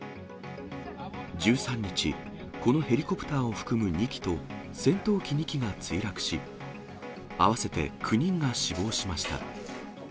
１３日、このヘリコプターを含む２機と、戦闘機２機が墜落し、合わせて９人が死亡しました。